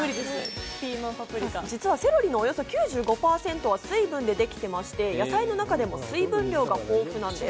実はセロリのおよそ９５％は水分でできていまして、野菜の中でも水分量が豊富なんです。